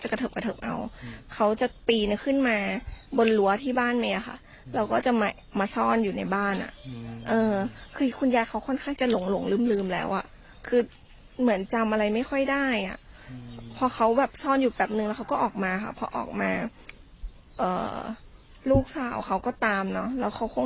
มีความรู้สึกว่ามีความรู้สึกว่ามีความรู้สึกว่ามีความรู้สึกว่ามีความรู้สึกว่ามีความรู้สึกว่ามีความรู้สึกว่ามีความรู้สึกว่ามีความรู้สึกว่ามีความรู้สึกว่ามีความรู้สึกว่ามีความรู้สึกว่ามีความรู้สึกว่ามีความรู้สึกว่ามีความรู้สึกว่ามีความรู้สึกว